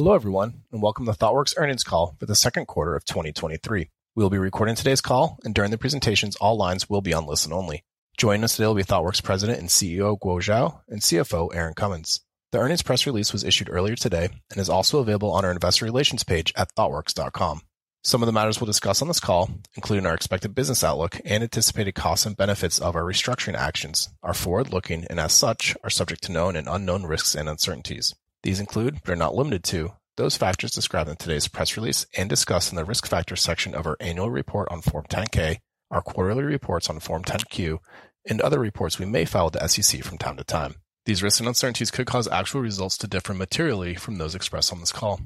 Hello, everyone, and welcome to Thoughtworks earnings call for the second quarter of 2023. We'll be recording today's call, and during the presentations, all lines will be on listen only. Joining us today will be Thoughtworks President and CEO, Guo Xiao, and CFO, Erin Cummins. The earnings press release was issued earlier today and is also available on our investor relations page at thoughtworks.com. Some of the matters we'll discuss on this call, including our expected business outlook and anticipated costs and benefits of our restructuring actions, are forward-looking and, as such, are subject to known and unknown risks and uncertainties. These include, but are not limited to, those factors described in today's press release and discussed in the Risk Factors section of our annual report on Form 10-K, our quarterly reports on Form 10-Q, and other reports we may file with the SEC from time to time. These risks and uncertainties could cause actual results to differ materially from those expressed on this call.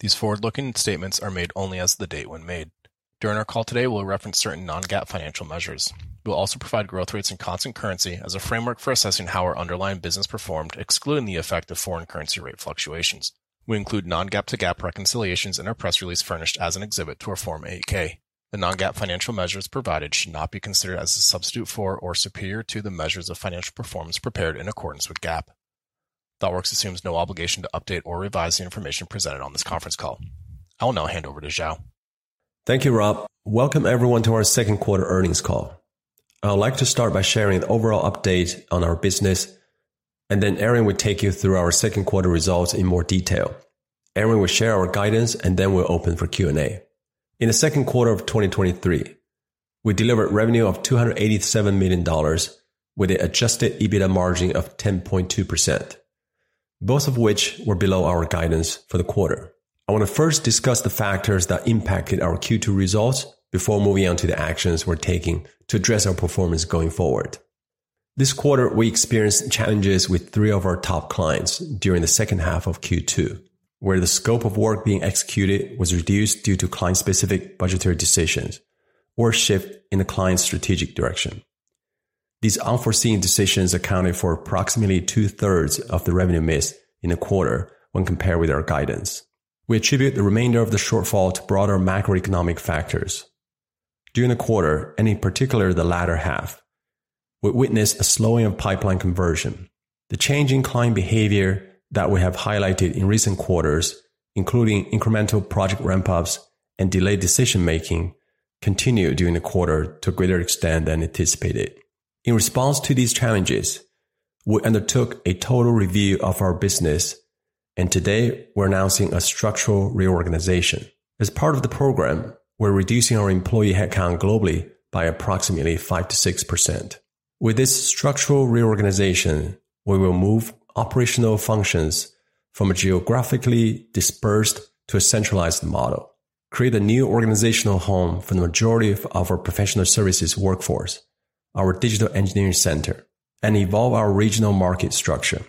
These forward-looking statements are made only as of the date when made. During our call today, we'll reference certain non-GAAP financial measures. We'll also provide growth rates in constant currency as a framework for assessing how our underlying business performed, excluding the effect of foreign currency rate fluctuations. We include non-GAAP to GAAP reconciliations in our press release, furnished as an exhibit to our Form 8-K. The non-GAAP financial measures provided should not be considered as a substitute for or superior to the measures of financial performance prepared in accordance with GAAP. Thoughtworks assumes no obligation to update or revise the information presented on this conference call. I will now hand over to Xiao. Thank you, Rob. Welcome everyone to our second quarter earnings call. I'd like to start by sharing the overall update on our business, and then Erin will take you through our second quarter results in more detail. Erin will share our guidance, and then we'll open for Q&A. In the second quarter of 2023, we delivered revenue of $287 million, with an adjusted EBITDA margin of 10.2%, both of which were below our guidance for the quarter. I want to first discuss the factors that impacted our Q2 results before moving on to the actions we're taking to address our performance going forward. This quarter, we experienced challenges with three of our top clients during the second half of Q2, where the scope of work being executed was reduced due to client-specific budgetary decisions or shift in the client's strategic direction. These unforeseen decisions accounted for approximately 2/3 of the revenue miss in the quarter when compared with our guidance. We attribute the remainder of the shortfall to broader macroeconomic factors. During the quarter, and in particular the latter half, we witnessed a slowing of pipeline conversion. The change in client behavior that we have highlighted in recent quarters, including incremental project ramp-ups and delayed decision-making, continued during the quarter to a greater extent than anticipated. In response to these challenges, we undertook a total review of our business. Today we're announcing a structural reorganization. As part of the program, we're reducing our employee headcount globally by approximately 5%-6%. With this structural reorganization, we will move operational functions from a geographically dispersed to a centralized model, create a new organizational home for the majority of our professional services workforce, our Digital Engineering Center, and evolve our regional market structure.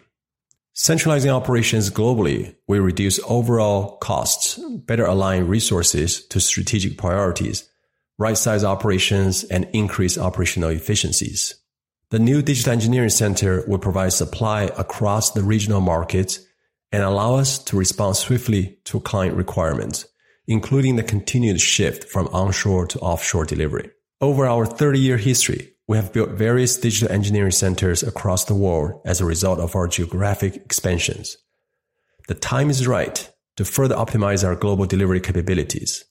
Centralizing operations globally will reduce overall costs, better align resources to strategic priorities, right-size operations, and increase operational efficiencies. The new Digital Engineering Center will provide supply across the regional markets and allow us to respond swiftly to client requirements, including the continued shift from onshore to offshore delivery. Over our 30-year history, we have built various digital engineering centers across the world as a result of our geographic expansions. The time is right to further optimize our global delivery capabilities.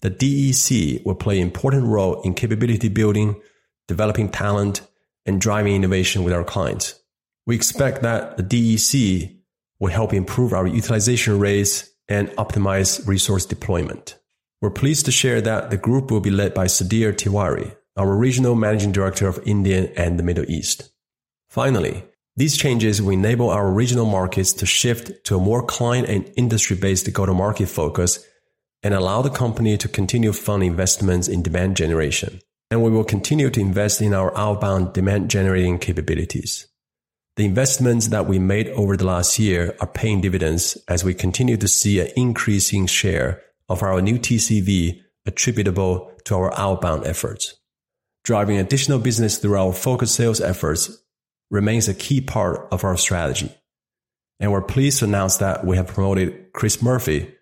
The DEC will play an important role in capability building, developing talent, and driving innovation with our clients. We expect that the DEC will help improve our utilization rates and optimize resource deployment. We're pleased to share that the group will be led by Sudhir Tiwari, our Regional Managing Director of India and the Middle East. Finally, these changes will enable our regional markets to shift to a more client and industry-based go-to-market focus and allow the company to continue to fund investments in demand generation. We will continue to invest in our outbound demand-generating capabilities. The investments that we made over the last year are paying dividends as we continue to see an increasing share of our new TCV attributable to our outbound efforts. Driving additional business through our focused sales efforts remains a key part of our strategy. We're pleased to announce that we have promoted Chris Murphy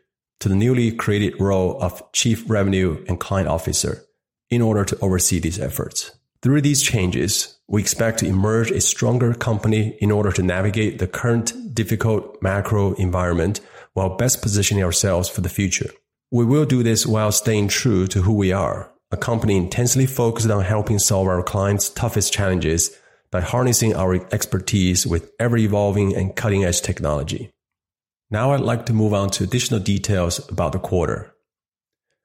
to the newly created role of Chief Revenue and Client Officer in order to oversee these efforts. Through these changes, we expect to emerge a stronger company in order to navigate the current difficult macro environment while best positioning ourselves for the future. We will do this while staying true to who we are, a company intensely focused on helping solve our clients' toughest challenges by harnessing our expertise with ever-evolving and cutting-edge technology. I'd like to move on to additional details about the quarter.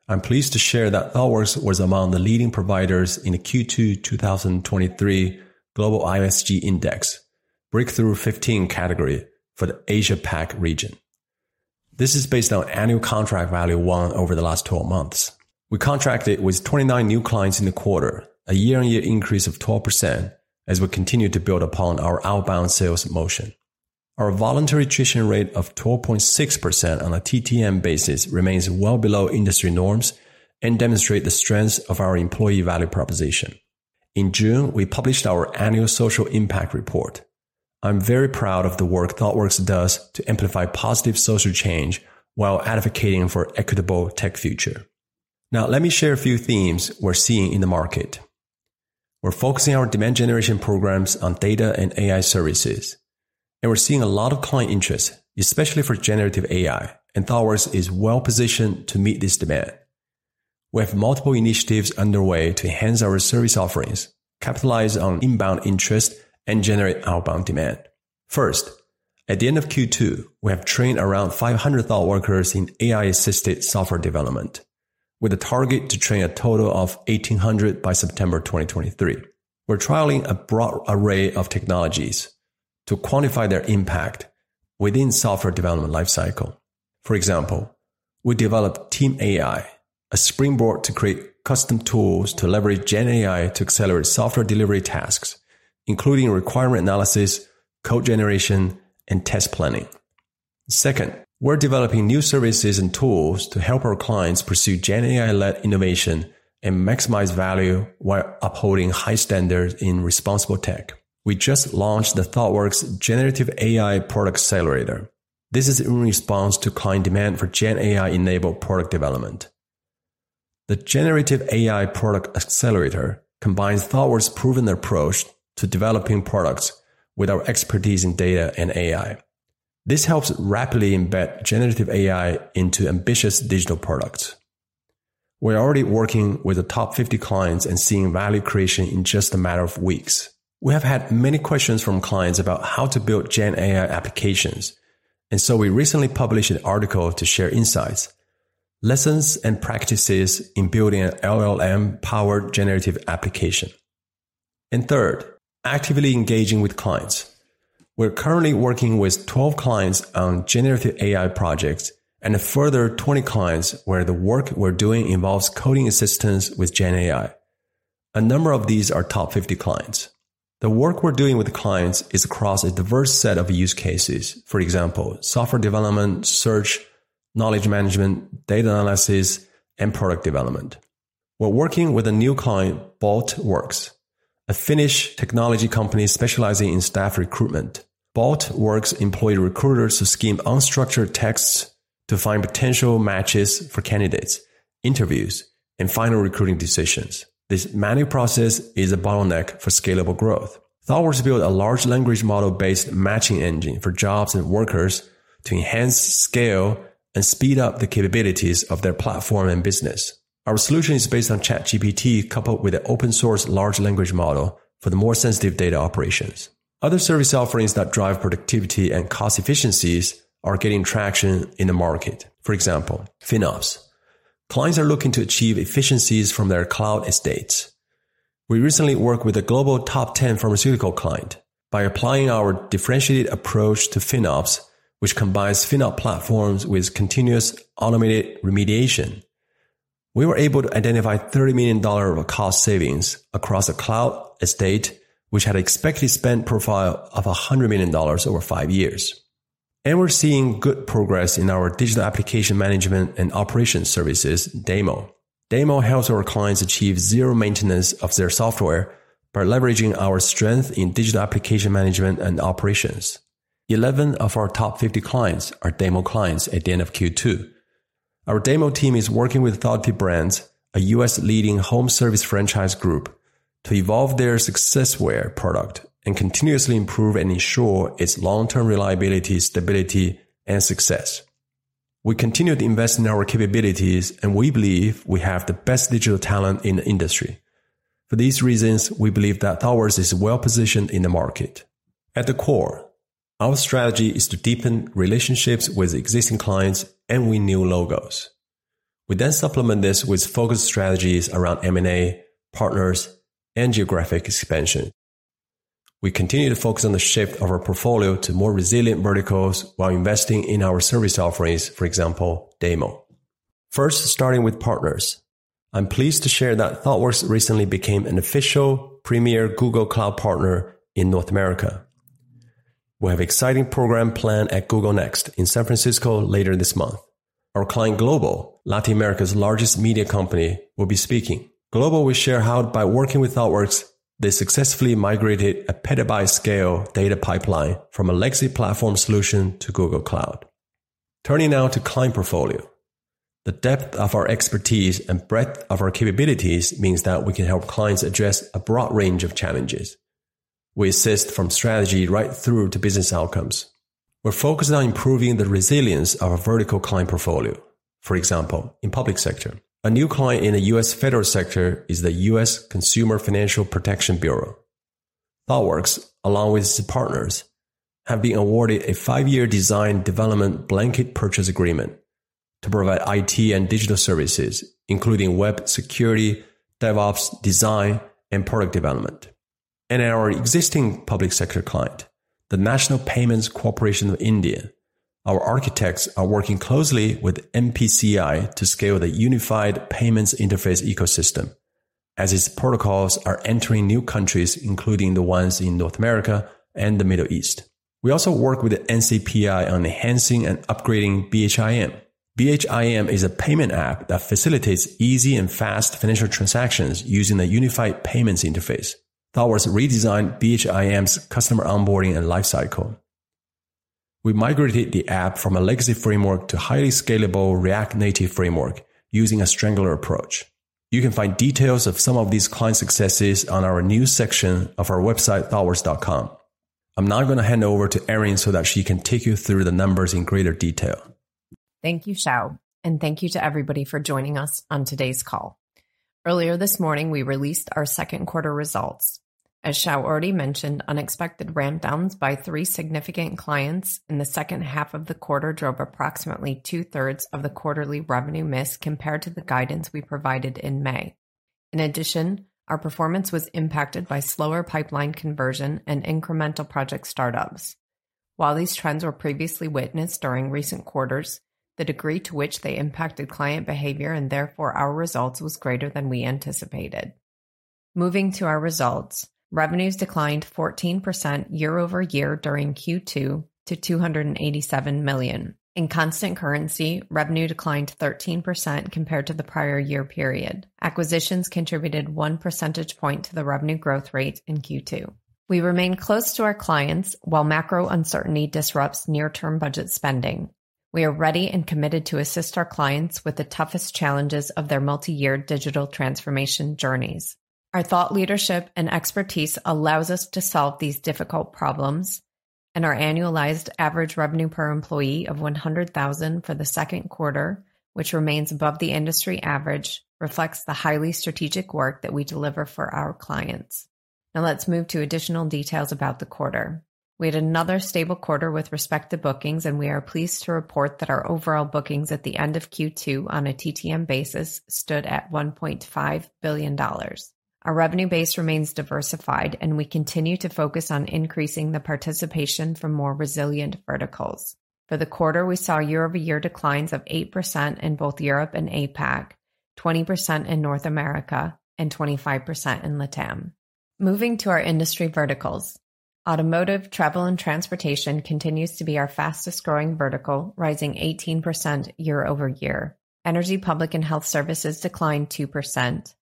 I'm pleased to share that Thoughtworks was among the leading providers in the Q2 2023 Global ISG Index Breakthrough 15 category for the Asia Pac region. This is based on annual contract value won over the last 12 months. We contracted with 29 new clients in the quarter, a year-over-year increase of 12%, as we continue to build upon our outbound sales motion. Our voluntary attrition rate of 12.6% on a TTM basis remains well below industry norms and demonstrate the strength of our employee value proposition. In June, we published our annual social impact report. I'm very proud of the work Thoughtworks does to amplify positive social change while advocating for equitable tech future. Let me share a few themes we're seeing in the market. We're focusing our demand generation programs on data and AI services, and we're seeing a lot of client interest, especially for generative AI, and Thoughtworks is well positioned to meet this demand. We have multiple initiatives underway to enhance our service offerings, capitalize on inbound interest, and generate outbound demand. First, at the end of Q2, we have trained around 500 Thoughtworkers in AI-assisted software development, with a target to train a total of 1,800 by September 2023. We're trialing a broad array of technologies to quantify their impact within software development lifecycle. For example, we developed Team AI, a springboard to create custom tools to leverage GenAI to accelerate software delivery tasks, including requirement analysis, code generation, and test planning. Second, we're developing new services and tools to help our clients pursue GenAI-led innovation and maximize value while upholding high standards in responsible tech. We just launched the Thoughtworks Generative AI Product Accelerator. This is in response to client demand for GenAI-enabled product development. The Thoughtworks Generative AI Product Accelerator combines Thoughtworks' proven approach to developing products with our expertise in data and AI. This helps rapidly embed generative AI into ambitious digital products. We're already working with the top 50 clients and seeing value creation in just a matter of weeks. We have had many questions from clients about how to build GenAI applications, so we recently published an article to share insights, lessons, and practices in building an LLM-powered generative application. Third, actively engaging with clients. We're currently working with 12 clients on generative AI projects and a further 20 clients where the work we're doing involves coding assistance with GenAI. A number of these are top 50 clients. The work we're doing with the clients is across a diverse set of use cases. For example, software development, search, knowledge management, data analysis, and product development. We're working with a new client, Boltworks, a Finnish technology company specializing in staff recruitment. Boltworks employ recruiters to skim unstructured texts to find potential matches for candidates, interviews, and final recruiting decisions. This manual process is a bottleneck for scalable growth. Thoughtworks built a large language model-based matching engine for jobs and workers to enhance, scale, and speed up the capabilities of their platform and business. Our solution is based on ChatGPT, coupled with an open source large language model for the more sensitive data operations. Other service offerings that drive productivity and cost efficiencies are getting traction in the market. For example, FinOps. Clients are looking to achieve efficiencies from their cloud estates. We recently worked with a global top 10 pharmaceutical client. By applying our differentiated approach to FinOps, which combines FinOps platforms with continuous automated remediation, we were able to identify $30 million of cost savings across a cloud estate, which had expected spend profile of $100 million over 5 years. We're seeing good progress in our digital application management and operations services, DAMO. DAMO helps our clients achieve zero maintenance of their software by leveraging our strength in digital application management and operations. 11 of our top 50 clients are DAMO clients at the end of Q2. Our DAMO team is working with Thoughtful Brands, a U.S. leading home service franchise group, to evolve their Successware product and continuously improve and ensure its long-term reliability, stability, and success. We continue to invest in our capabilities, and we believe we have the best digital talent in the industry. For these reasons, we believe that Thoughtworks is well positioned in the market. At the core, our strategy is to deepen relationships with existing clients and win new logos. We supplement this with focused strategies around M&A, partners, and geographic expansion. We continue to focus on the shape of our portfolio to more resilient verticals while investing in our service offerings, for example, DAMO. First, starting with partners. I'm pleased to share that Thoughtworks recently became an official premier Google Cloud partner in North America. We have exciting program planned at Google Next in San Francisco later this month. Our client, Globo, Latin America's largest media company, will be speaking. Globo will share how by working with Thoughtworks, they successfully migrated a petabyte-scale data pipeline from a legacy platform solution to Google Cloud. Turning now to client portfolio. The depth of our expertise and breadth of our capabilities means that we can help clients address a broad range of challenges. We assist from strategy right through to business outcomes. We're focused on improving the resilience of our vertical client portfolio. For example, in public sector, a new client in the U.S. federal sector is the U.S. Consumer Financial Protection Bureau. Thoughtworks, along with its partners, have been awarded a five-year design development blanket purchase agreement to provide IT and digital services, including web security, DevOps, design, and product development. Our existing public sector client, the National Payments Corporation of India, our architects are working closely with NPCI to scale the Unified Payments Interface ecosystem, as its protocols are entering new countries, including the ones in North America and the Middle East. We also work with the NPCI on enhancing and upgrading BHIM. BHIM is a payment app that facilitates easy and fast financial transactions using a Unified Payments Interface. Thoughtworks redesigned BHIM's customer onboarding and lifecycle. We migrated the app from a legacy framework to highly scalable React Native framework using a strangler approach. You can find details of some of these client successes on our new section of our website, thoughtworks.com. I'm now gonna hand over to Erin so that she can take you through the numbers in greater detail. Thank you, Xiao, and thank you to everybody for joining us on today's call. Earlier this morning, we released our second quarter results. As Xiao already mentioned, unexpected ramp downs by 3 significant clients in the second half of the quarter drove approximately 2/3 of the quarterly revenue miss compared to the guidance we provided in May. In addition, our performance was impacted by slower pipeline conversion and incremental project startups. While these trends were previously witnessed during recent quarters, the degree to which they impacted client behavior and therefore our results, was greater than we anticipated. Moving to our results, revenues declined 14% year-over-year during Q2 to $287 million. In constant currency, revenue declined 13% compared to the prior year period. Acquisitions contributed 1 percentage point to the revenue growth rate in Q2. We remain close to our clients, while macro uncertainty disrupts near-term budget spending. We are ready and committed to assist our clients with the toughest challenges of their multi-year digital transformation journeys. Our thought leadership and expertise allows us to solve these difficult problems, and our annualized average revenue per employee of $100,000 for the second quarter, which remains above the industry average, reflects the highly strategic work that we deliver for our clients. Now let's move to additional details about the quarter. We had another stable quarter with respect to bookings, and we are pleased to report that our overall bookings at the end of Q2 on a TTM basis stood at $1.5 billion. Our revenue base remains diversified, and we continue to focus on increasing the participation from more resilient verticals. For the quarter, we saw year-over-year declines of 8% in both Europe and APAC, 20% in North America, and 25% in LATAM. Moving to our industry verticals, automotive, travel and transportation continues to be our fastest-growing vertical, rising 18% year-over-year. Energy, public and health services declined 2%.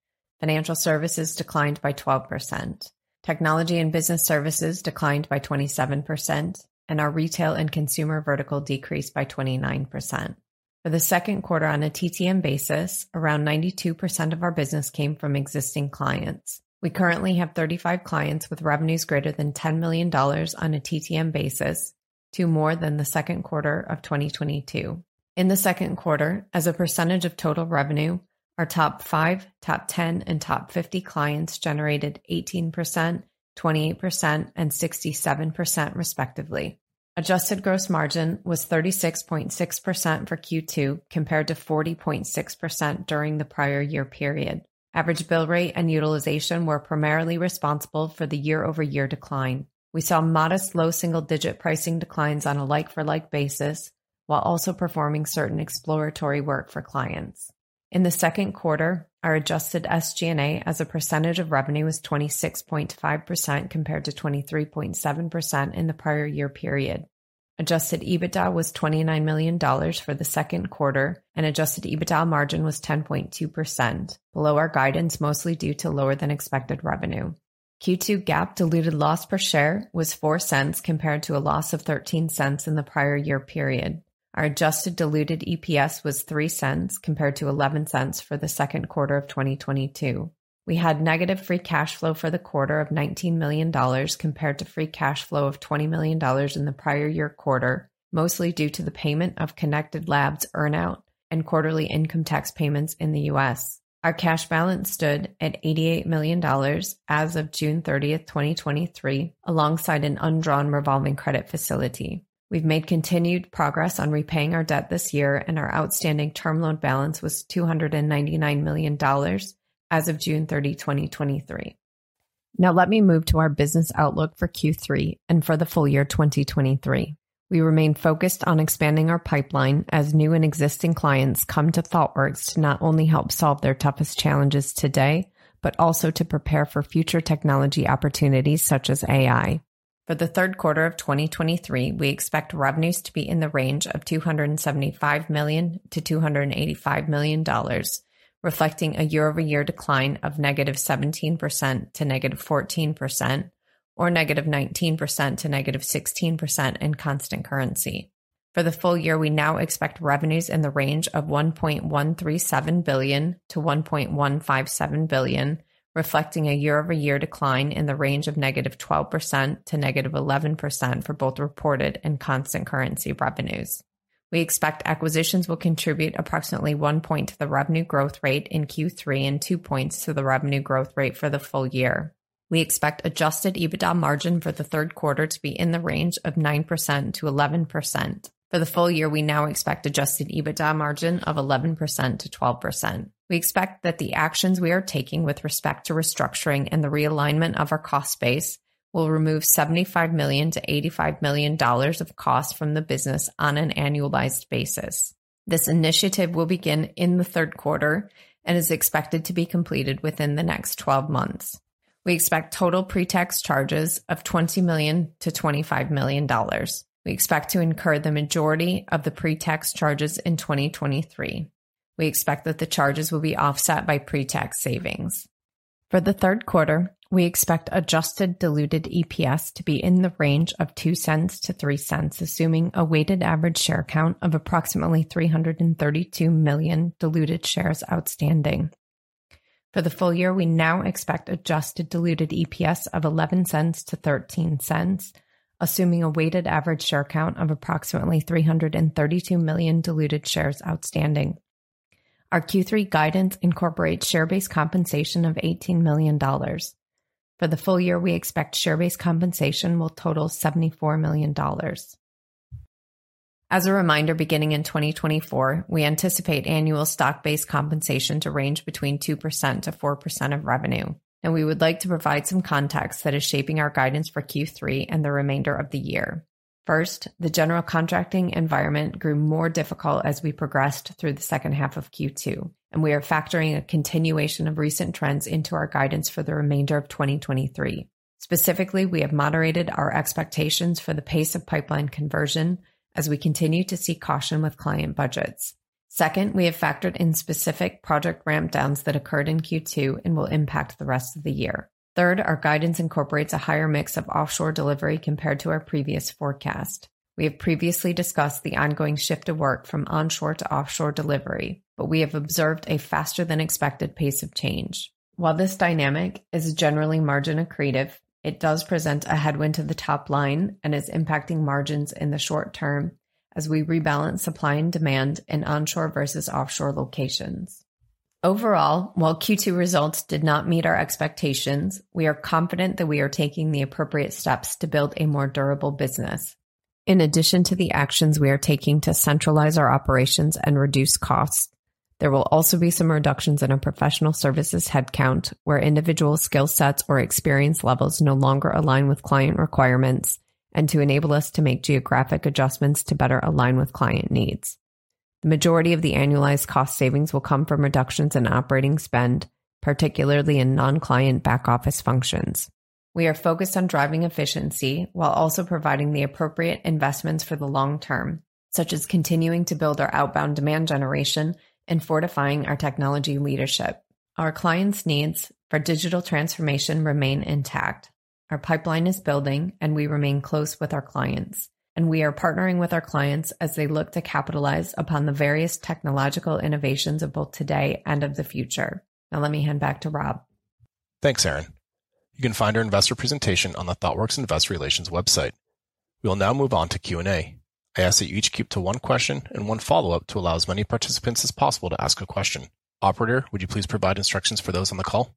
Financial services declined by 12%. Technology and business services declined by 27%, and our retail and consumer vertical decreased by 29%. For the second quarter on a TTM basis, around 92% of our business came from existing clients. We currently have 35 clients with revenues greater than $10 million on a TTM basis to more than the second quarter of 2022. In the second quarter, as a percentage of total revenue, our top five, top 10, and top 50 clients generated 18%, 28%, and 67%, respectively. Adjusted gross margin was 36.6% for Q2, compared to 40.6% during the prior year period. Average bill rate and utilization were primarily responsible for the year-over-year decline. We saw modest low double-digit pricing declines on a like-for-like basis, while also performing certain exploratory work for clients. In the second quarter, our adjusted SG&A as a percentage of revenue was 26.5%, compared to 23.7% in the prior year period. Adjusted EBITDA was $29 million for the second quarter, and adjusted EBITDA margin was 10.2%, below our guidance, mostly due to lower-than-expected revenue. Q2 GAAP diluted loss per share was $0.04, compared to a loss of $0.13 in the prior year period. Our adjusted diluted EPS was $0.03, compared to $0.11 for the second quarter of 2022. We had negative free cash flow for the quarter of $19 million, compared to free cash flow of $20 million in the prior year quarter, mostly due to the payment of Connected Lab earn-out and quarterly income tax payments in the U.S. Our cash balance stood at $88 million as of June 30th, 2023, alongside an undrawn revolving credit facility. We've made continued progress on repaying our debt this year, and our outstanding term loan balance was $299 million as of June 30, 2023. Now let me move to our business outlook for Q3 and for the full year 2023. We remain focused on expanding our pipeline as new and existing clients come to Thoughtworks to not only help solve their toughest challenges today, but also to prepare for future technology opportunities such as AI. For the third quarter of 2023, we expect revenues to be in the range of $275 million-$285 million, reflecting a year-over-year decline of -17% to -14% or -19% to -16% in constant currency. For the full year, we now expect revenues in the range of $1.137 billion-$1.157 billion, reflecting a year-over-year decline in the range of -12% to -11% for both reported and constant currency revenues. We expect acquisitions will contribute approximately 1 point to the revenue growth rate in Q3 and 2 points to the revenue growth rate for the full year. We expect adjusted EBITDA margin for the third quarter to be in the range of 9%-11%. For the full year, we now expect adjusted EBITDA margin of 11%-12%. We expect that the actions we are taking with respect to restructuring and the realignment of our cost base will remove $75 million-$85 million of cost from the business on an annualized basis. This initiative will begin in the third quarter and is expected to be completed within the next 12 months. We expect total pre-tax charges of $20 million-$25 million. We expect to incur the majority of the pre-tax charges in 2023. We expect that the charges will be offset by pre-tax savings. For the third quarter, we expect adjusted diluted EPS to be in the range of $0.02-$0.03, assuming a weighted average share count of approximately 332 million diluted shares outstanding. For the full year, we now expect adjusted diluted EPS of $0.11-$0.13, assuming a weighted average share count of approximately 332 million diluted shares outstanding. Our Q3 guidance incorporates share-based compensation of $18 million. For the full year, we expect share-based compensation will total $74 million. As a reminder, beginning in 2024, we anticipate annual stock-based compensation to range between 2%-4% of revenue. We would like to provide some context that is shaping our guidance for Q3 and the remainder of the year. First, the general contracting environment grew more difficult as we progressed through the second half of Q2. We are factoring a continuation of recent trends into our guidance for the remainder of 2023. Specifically, we have moderated our expectations for the pace of pipeline conversion as we continue to see caution with client budgets. Second, we have factored in specific project ramp downs that occurred in Q2 and will impact the rest of the year. Third, our guidance incorporates a higher mix of offshore delivery compared to our previous forecast. We have previously discussed the ongoing shift of work from onshore to offshore delivery, but we have observed a faster than expected pace of change. While this dynamic is generally margin accretive, it does present a headwind to the top line and is impacting margins in the short term as we rebalance supply and demand in onshore versus offshore locations. Overall, while Q2 results did not meet our expectations, we are confident that we are taking the appropriate steps to build a more durable business. In addition to the actions we are taking to centralize our operations and reduce costs, there will also be some reductions in our professional services headcount, where individual skill sets or experience levels no longer align with client requirements, and to enable us to make geographic adjustments to better align with client needs. The majority of the annualized cost savings will come from reductions in operating spend, particularly in non-client back office functions. We are focused on driving efficiency while also providing the appropriate investments for the long term, such as continuing to build our outbound demand generation and fortifying our technology leadership. Our clients' needs for digital transformation remain intact. Our pipeline is building and we remain close with our clients, and we are partnering with our clients as they look to capitalize upon the various technological innovations of both today and of the future. Now, let me hand back to Rob. Thanks, Erin. You can find our investor presentation on the Thoughtworks Investor Relations website. We will now move on to Q&A. I ask that you each keep to one question and one follow-up to allow as many participants as possible to ask a question. Operator, would you please provide instructions for those on the call?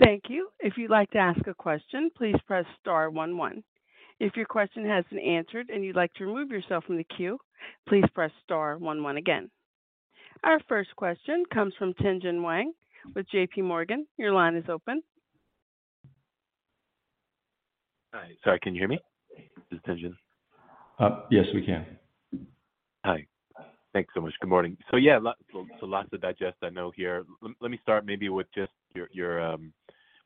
Thank you. If you'd like to ask a question, please press star one, one. If your question has been answered and you'd like to remove yourself from the queue, please press star one one again. Our first question comes from Tien-Tsin Huang with J.P. Morgan. Your line is open. Hi. Sorry, can you hear me? This is Tien-Tsin. Yes, we can. Hi. Thanks so much. Good morning. Yeah, lots to digest, I know here. Let me start maybe with just your,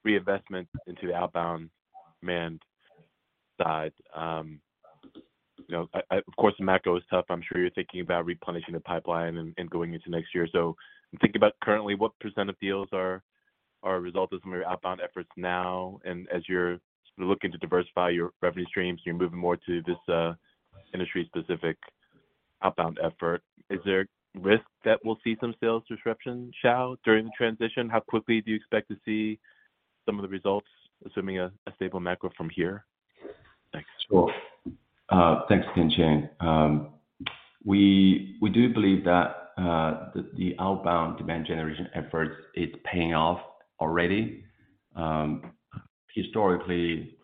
your reinvestment into the outbound demand side. You know, I, of course, the macro is tough. I'm sure you're thinking about replenishing the pipeline and, and going into next year. I'm thinking about currently, what % of deals are a result of some of your outbound efforts now, and as you're looking to diversify your revenue streams, you're moving more to this industry-specific outbound effort. Is there a risk that we'll see some sales disruption, Shao, during the transition? How quickly do you expect to see some of the results, assuming a stable macro from here? Thanks. Sure. Thanks, Tien-Tsin. We, we do believe that the, the outbound demand generation efforts is paying off already. Historically,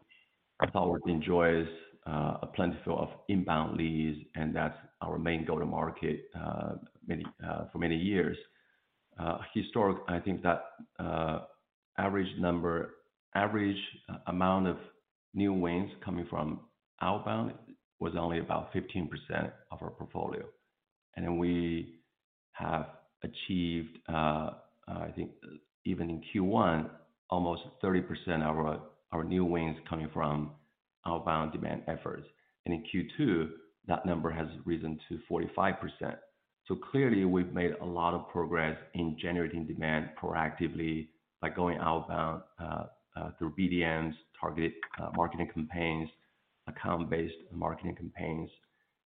Thoughtworks enjoys a plentiful of inbound leads, and that's our main go-to-market, many, for many years. I think that average number, average amount of new wins coming from outbound was only about 15% of our portfolio. We have achieved, I think even in Q1, almost 30% of our, our new wins coming from outbound demand efforts. In Q2, that number has risen to 45%. Clearly, we've made a lot of progress in generating demand proactively by going outbound through BDMs, target marketing campaigns, account-based marketing campaigns.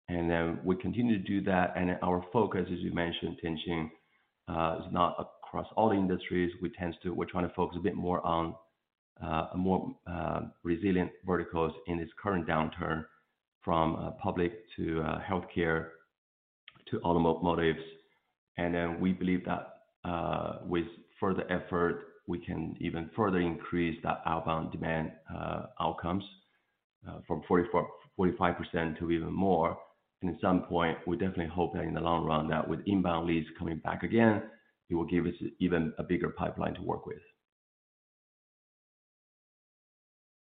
Then we continue to do that, and our focus, as you mentioned, Tien-Tsin, is not across all industries. We're trying to focus a bit more on more resilient verticals in this current downturn, from public to healthcare to automotives. Then we believe that with further effort, we can even further increase that outbound demand outcomes from 44%-45% to even more. At some point, we're definitely hoping in the long run that with inbound leads coming back again, it will give us even a bigger pipeline to work with.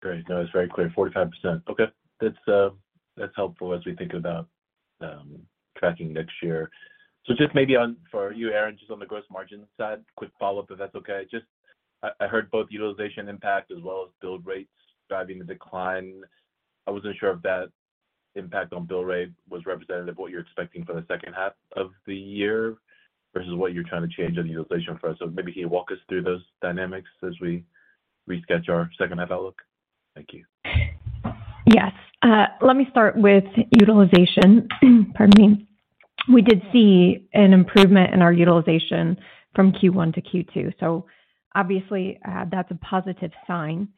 Great. That was very clear. 45%. Okay. That's, that's helpful as we think about tracking next year. Just maybe on... for you, Erin, just on the gross margin side, quick follow-up, if that's okay. Just I, I heard both utilization impact as well as bill rates driving the decline. I wasn't sure if that-... impact on bill rate was representative of what you're expecting for the second half of the year, versus what you're trying to change on the utilization front. Maybe can you walk us through those dynamics as we resketch our second half outlook? Thank you. Yes. let me start with utilization. Pardon me. We did see an improvement in our utilization from Q1 to Q2. Obviously, that's a positive sign.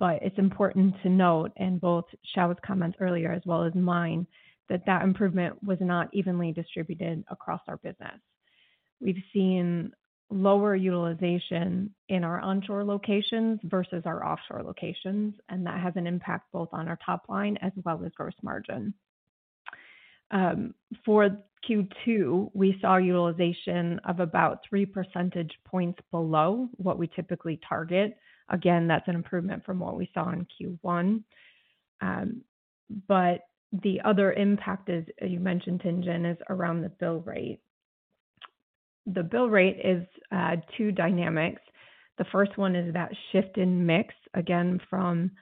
It's important to note, in both Xiao's comments earlier, as well as mine, that that improvement was not evenly distributed across our business. We've seen lower utilization in our onshore locations versus our offshore locations, and that has an impact both on our top line as well as gross margin. For Q2, we saw utilization of about three percentage points below what we typically target. Again, that's an improvement from what we saw in Q1. The other impact is, as you mentioned, Tien-Tsin, is around the bill rate. The bill rate is, two dynamics. The first one is that shift in mix, again, from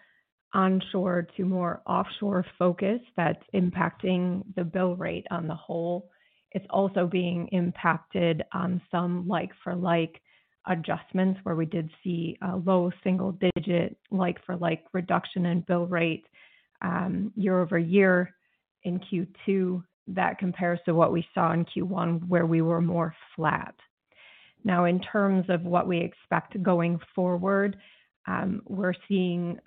onshore to more offshore focus that's impacting the bill rate on the whole. It's also being impacted on some like-for-like adjustments, where we did see a low single digit like-for-like reduction in bill rate, year-over-year in Q2. That compares to what we saw in Q1, where we were more flat. In terms of what we expect going forward, we're seeing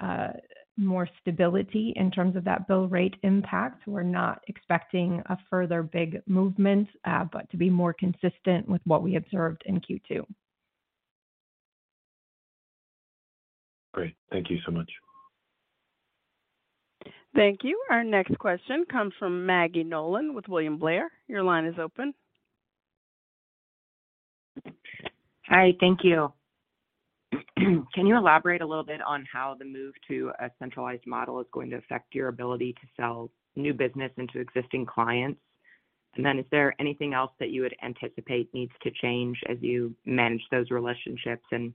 more stability in terms of that bill rate impact. We're not expecting a further big movement, but to be more consistent with what we observed in Q2. Great. Thank you so much. Thank you. Our next question comes from Maggie Nolan with William Blair. Your line is open. Hi, thank you. Can you elaborate a little bit on how the move to a centralized model is going to affect your ability to sell new business into existing clients? Is there anything else that you would anticipate needs to change as you manage those relationships and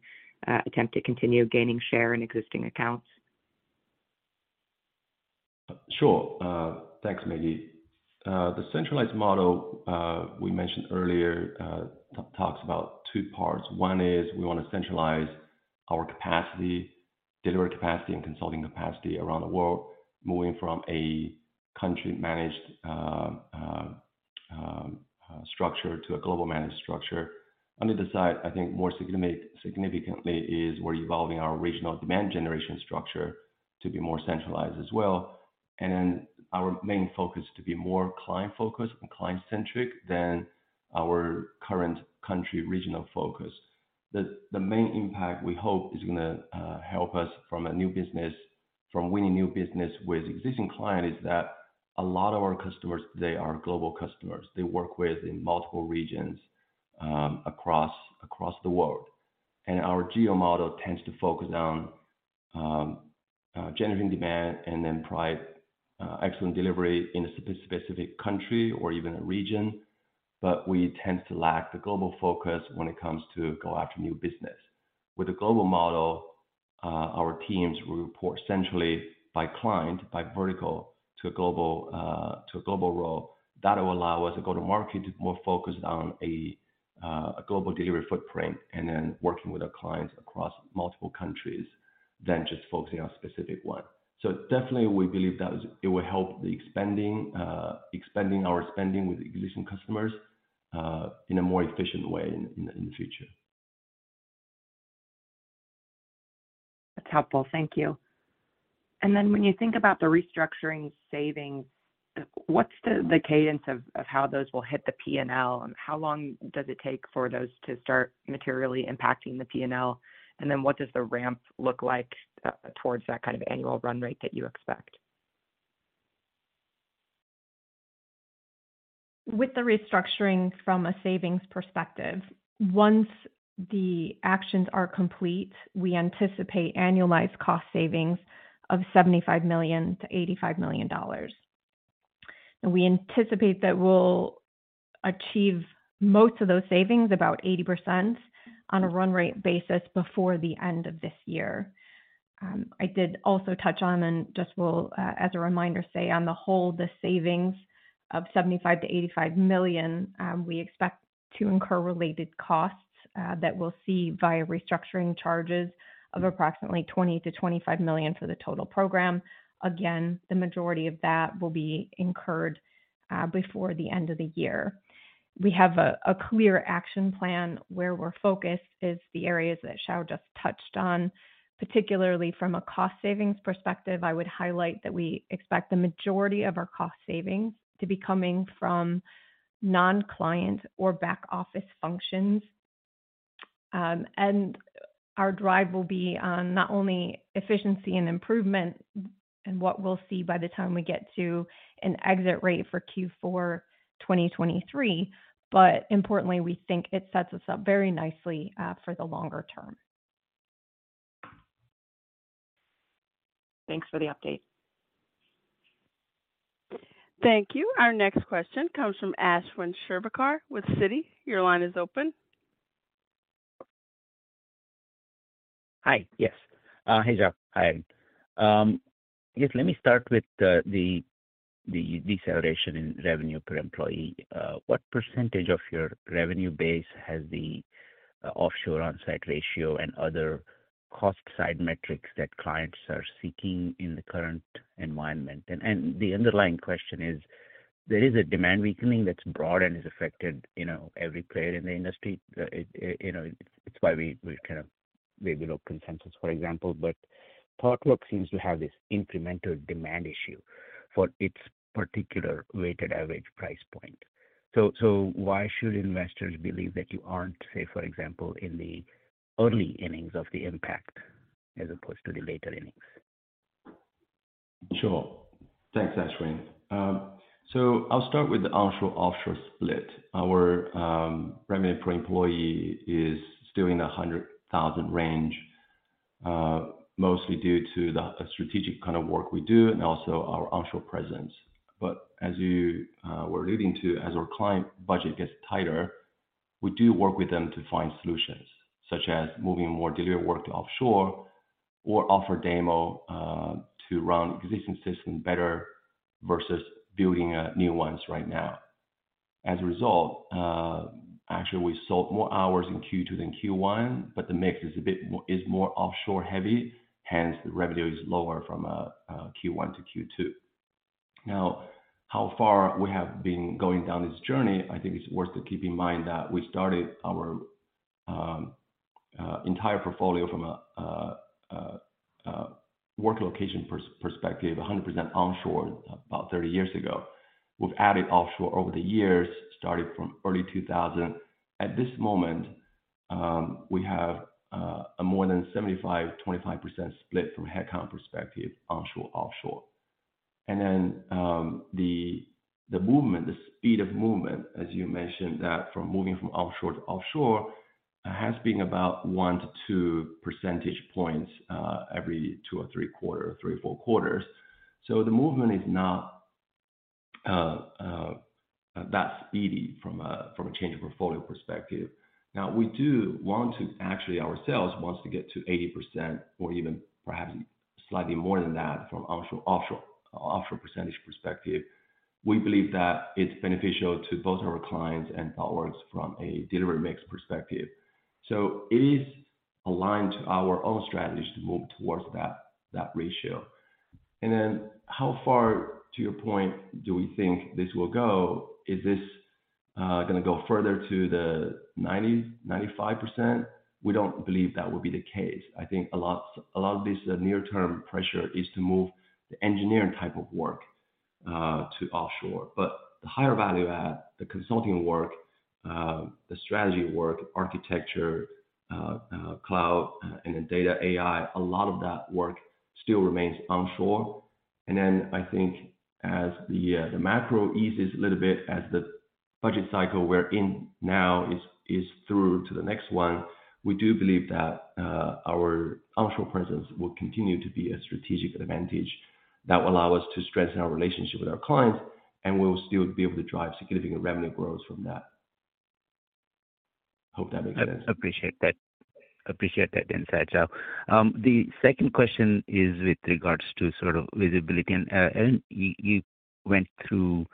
attempt to continue gaining share in existing accounts? Sure. Thanks, Maggie. The centralized model we mentioned earlier talks about two parts. One is we want to centralize our capacity, deliver capacity and consulting capacity around the world, moving from a country-managed structure to a global managed structure. On the other side, I think more significantly is we're evolving our regional demand generation structure to be more centralized as well, and our main focus to be more client-focused and client-centric than our current country regional focus. The, the main impact, we hope, is gonna help us from a new business-- from winning new business with existing clients, is that a lot of our customers today are global customers. They work with in multiple regions, across, across the world. Our geo model tends to focus on generating demand and then provide excellent delivery in a specific country or even a region, but we tend to lack the global focus when it comes to go after new business. With a global model, our teams will report centrally by client, by vertical, to a global role. That will allow us to go to market more focused on a global delivery footprint, and then working with our clients across multiple countries than just focusing on a specific one. Definitely we believe that it will help the expanding expanding our spending with existing customers in a more efficient way in the future. That's helpful. Thank you. Then when you think about the restructuring savings, what's the cadence of how those will hit the P&L, and how long does it take for those to start materially impacting the P&L? Then what does the ramp look like, towards that kind of annual run rate that you expect? With the restructuring from a savings perspective, once the actions are complete, we anticipate annualized cost savings of $75 million-$85 million. We anticipate that we'll achieve most of those savings, about 80%, on a run rate basis, before the end of this year. I did also touch on, and just will, as a reminder, say on the whole, the savings of $75 million-$85 million, we expect to incur related costs that we'll see via restructuring charges of approximately $20 million-$25 million for the total program. Again, the majority of that will be incurred before the end of the year. We have a, a clear action plan. Where we're focused is the areas that Xiao just touched on, particularly from a cost savings perspective. I would highlight that we expect the majority of our cost savings to be coming from non-client or back office functions. Our drive will be on not only efficiency and improvement and what we'll see by the time we get to an exit rate for Q4 2023, but importantly, we think it sets us up very nicely for the longer term. Thanks for the update. Thank you. Our next question comes from Ashwin Shirvaikar with Citi. Your line is open. Hi. Yes. Hey, Xiao. Hi. Yes, let me start with the deceleration in revenue per employee. What percentage of your revenue base has the offshore/onsite ratio and other cost side metrics that clients are seeking in the current environment? The underlying question is, there is a demand weakening that's broad and has affected, you know, every player in the industry. It, you know, it's why we below consensus, for example. Thoughtworks seems to have this incremental demand issue for its particular weighted average price point. Why should investors believe that you aren't, say, for example, in the early innings of the impact as opposed to the later innings? Sure. Thanks, Ashwin. I'll start with the onshore/offshore split. Our revenue per employee is still in the 100,000 range, mostly due to the strategic kind of work we do and also our onshore presence. As you were alluding to, as our client budget gets tighter, we do work with them to find solutions, such as moving more delivery work offshore or offer DAMO to run existing system better versus building new ones right now. As a result, actually, we sold more hours in Q2 than Q1, but the mix is a bit more, is more offshore heavy, hence the revenue is lower from Q1 to Q2. Now, how far we have been going down this journey, I think it's worth to keep in mind that we started our entire portfolio from a work location perspective, 100% onshore about 30 years ago. We've added offshore over the years, starting from early 2000. At this moment, we have a more than 75/25% split from headcount perspective, onshore, offshore. The movement, the speed of movement, as you mentioned, that from moving from offshore to offshore, has been about 1 to 2 percentage points every 2 or 3 quarters, 3 to 4 quarters. The movement is not that speedy from a change in portfolio perspective. Now, we do want to-- actually, ourselves, wants to get to 80% or even perhaps slightly more than that from onshore, offshore, offshore percentage perspective. We believe that it's beneficial to both our clients and Thoughtworks from a delivery mix perspective. It is aligned to our own strategies to move towards that, that ratio. How far, to your point, do we think this will go? Is this gonna go further to the 90%, 95%? We don't believe that would be the case. I think a lot, a lot of this near-term pressure is to move the engineering type of work to offshore. The higher value add, the consulting work, the strategy work, architecture, cloud, and then data AI, a lot of that work still remains onshore. I think as the macro eases a little bit, as the budget cycle we're in now is, is through to the next one, we do believe that our onshore presence will continue to be a strategic advantage that will allow us to strengthen our relationship with our clients, and we will still be able to drive significant revenue growth from that. Hope that makes sense. Appreciate that. Appreciate that insight, Xiao. The second question is with regards to sort of visibility. You, you went through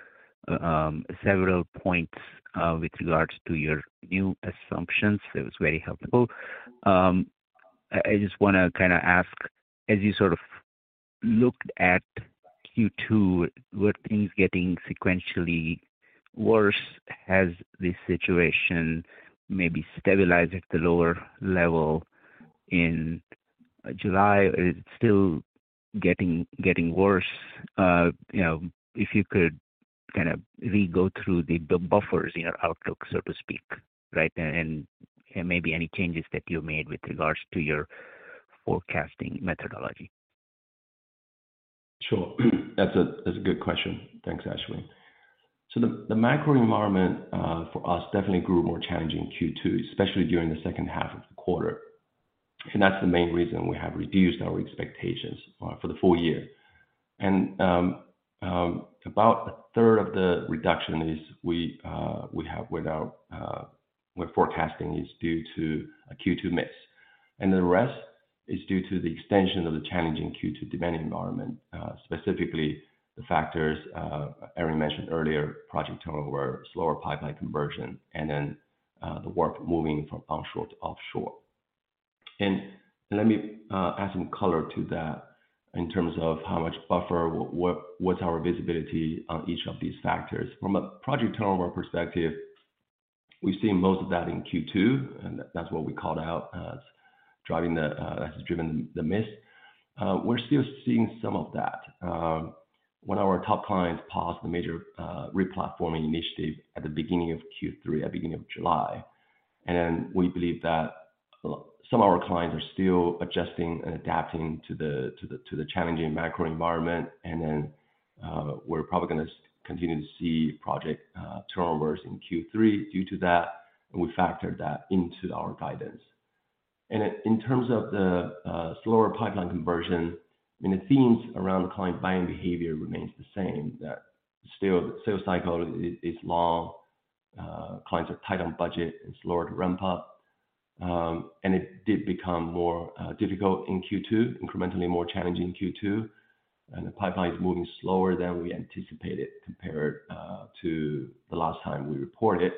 several points with regards to your new assumptions. That was very helpful. I, I just wanna kinda ask, as you sort of looked at Q2, were things getting sequentially worse? Has the situation maybe stabilized at the lower level in July, or is it still getting, getting worse? You know, if you could kind of re-go through the, the buffers in our outlook, so to speak, right? Maybe any changes that you made with regards to your forecasting methodology. Sure. That's a, that's a good question. Thanks, Ashwin. The macro environment for us definitely grew more challenging in Q2, especially during the second half of the quarter. That's the main reason we have reduced our expectations for the full year. About a third of the reduction is we have with our with forecasting, is due to a Q2 miss, the rest is due to the extension of the challenging Q2 demand environment, specifically the factors Erin mentioned earlier, project turnover, slower pipeline conversion, and then the work moving from onshore to offshore. Let me add some color to that in terms of how much buffer, what, what's our visibility on each of these factors. From a project turnover perspective, we've seen most of that in Q2, and that's what we called out as driving the, has driven the miss. We're still seeing some of that. One of our top clients paused a major replatforming initiative at the beginning of Q3, at beginning of July. We believe that some of our clients are still adjusting and adapting to the challenging macro environment. We're probably gonna continue to see project turnovers in Q3 due to that, and we factored that into our guidance. In terms of the slower pipeline conversion, I mean, the themes around client buying behavior remains the same, that still, sales cycle is long. Clients are tight on budget and slower to ramp up. It did become more difficult in Q2, incrementally more challenging in Q2, and the pipeline is moving slower than we anticipated compared to the last time we reported it.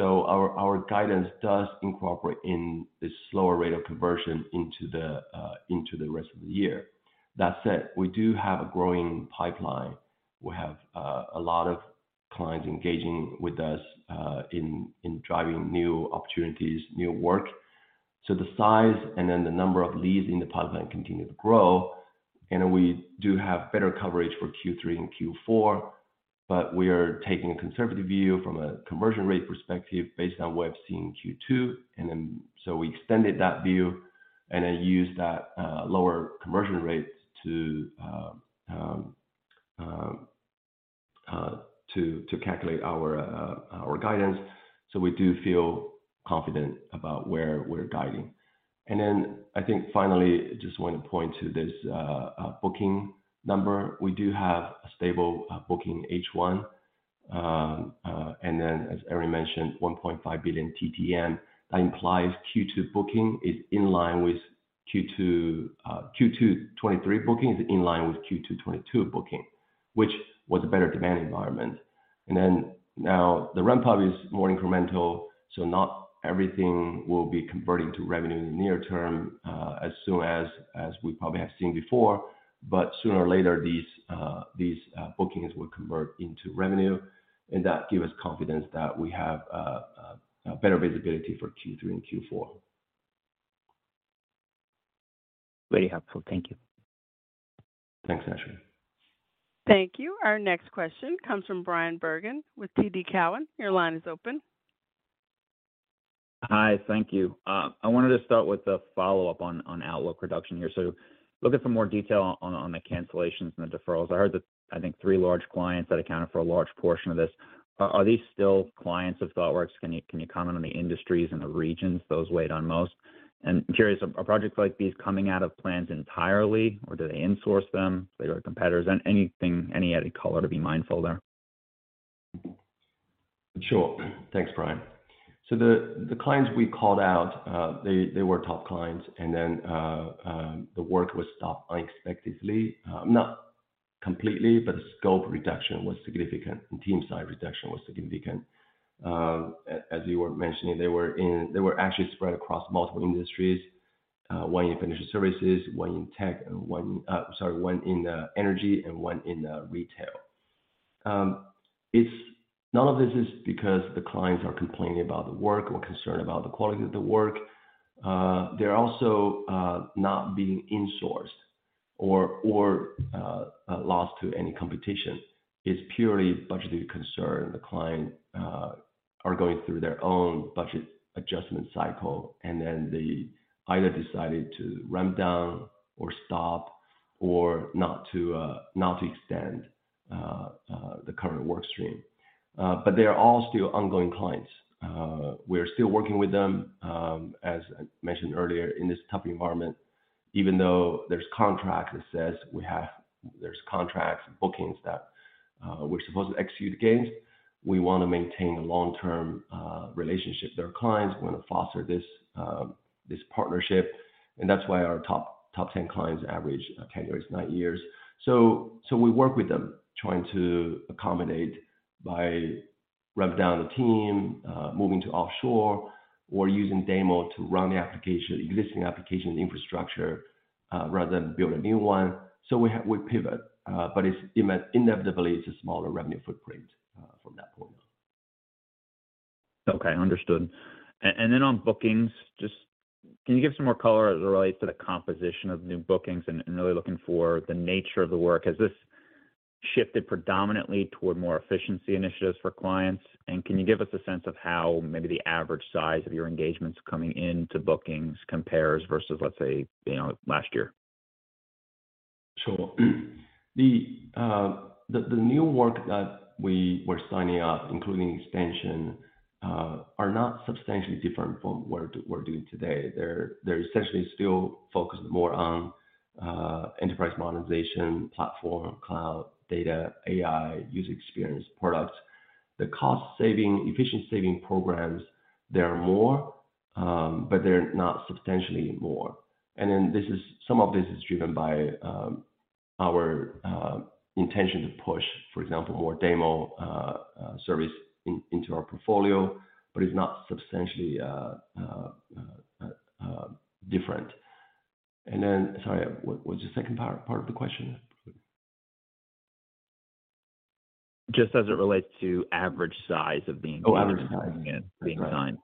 Our, our guidance does incorporate in this slower rate of conversion into the rest of the year. That said, we do have a growing pipeline. We have a lot of clients engaging with us in driving new opportunities, new work. The size and then the number of leads in the pipeline continue to grow, and we do have better coverage for Q3 and Q4, but we are taking a conservative view from a conversion rate perspective based on what we've seen in Q2. We extended that view and then used that lower conversion rate to to calculate our guidance. We do feel confident about where we're guiding. I think finally, I just want to point to this booking number. We do have a stable booking H1. As Eric mentioned, $1.5 billion TTM. That implies Q2 booking is in line with Q2 2023 booking is in line with Q2 2022 booking, which was a better demand environment. Now the ramp up is more incremental, so not everything will be converting to revenue in the near term, as soon as, as we probably have seen before, but sooner or later, these bookings will convert into revenue, and that give us confidence that we have a better visibility for Q3 and Q4. Very helpful. Thank you. Thanks, Ashwin. Thank you. Our next question comes from Bryan Bergin with TD Cowen. Your line is open. Hi, thank you. I wanted to start with a follow-up on, on outlook reduction here. Looking for more detail on, on the cancellations and the deferrals. I heard that, I think three large clients that accounted for a large portion of this. Are, are these still clients of Thoughtworks? Can you, can you comment on the industries and the regions those weighed on most? I'm curious, are projects like these coming out of plans entirely, or do they insource them to your competitors? Anything, any added color to be mindful there? Sure. Thanks, Bryan. The clients we called out, they were top clients, and then the work was stopped unexpectedly. Not completely, but the scope reduction was significant, and team size reduction was significant. As you were mentioning, they were actually spread across multiple industries, one in financial services, one in tech, and one, sorry, one in energy and one in retail. It's. None of this is because the clients are complaining about the work or concerned about the quality of the work. They're also not being insourced or lost to any competition. It's purely budgeted concern. The client are going through their own budget adjustment cycle, they either decided to ramp down or stop, or not to extend the current work stream. They are all still ongoing clients. We are still working with them. As I mentioned earlier, in this tough environment, even though there's contract that says we have... There's contracts and bookings that we're supposed to execute against, we wanna maintain a long-term relationship with our clients. We wanna foster this partnership, that's why our top, top 10 clients average 10 years, 9 years. We work with them, trying to accommodate by ramp down the team, moving to offshore, or using demo to run the application, existing application infrastructure, rather than build a new one. we pivot, but it's inevitably, it's a smaller revenue footprint from that point on. Okay, understood. Then on bookings, just can you give some more color as it relates to the composition of new bookings? Really looking for the nature of the work, has this shifted predominantly toward more efficiency initiatives for clients? Can you give us a sense of how maybe the average size of your engagements coming into bookings compares versus, let's say, you know, last year? Sure. The, the new work that we were signing up, including expansion, are not substantially different from what we're doing today. They're, they're essentially still focused more on enterprise modernization, platform, cloud, data, AI, user experience products. The cost saving, efficiency saving programs, they are more, but they're not substantially more. Then this is-- some of this is driven by our intention to push, for example, more demo service in, into our portfolio, but it's not substantially different. Then... Sorry, what was the second part, part of the question? Just as it relates to average size of the... Oh, average size.